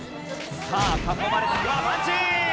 さあ囲まれたパンチ！